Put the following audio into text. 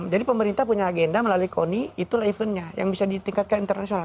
jadi pemerintah punya agenda melalui koni itulah eventnya yang bisa ditingkatkan internasional